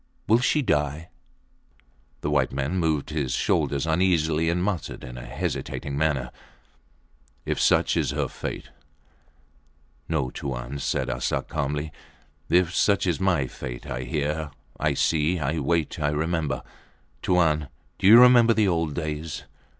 . will she die? The white man moved his shoulders uneasily and muttered in a hesitating manner If such is her fate. No, Tuan, said Arsat, calmly. If such is my fate. I hear, I see, I wait. I remember ... Tuan, do you remember the old days?